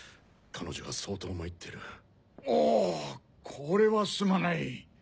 これはすまない。